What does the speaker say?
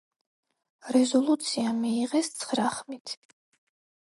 რეზოლუცია მიიღეს ცხრა ხმით.